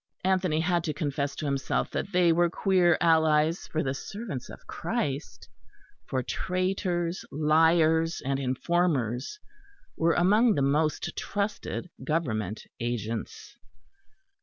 Anthony had to confess to himself that they were queer allies for the servants of Christ; for traitors, liars, and informers were among the most trusted Government agents.